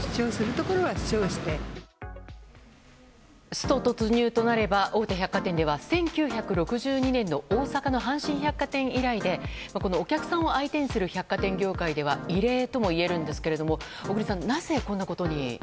スト突入となれば大手百貨店では、１９６２年の大阪の阪神百貨店以来でこのお客さんを相手にする百貨店業界では異例ともいえるんですけれども小栗さん、なぜこんなことに？